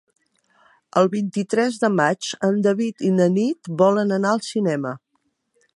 El vint-i-tres de maig en David i na Nit volen anar al cinema.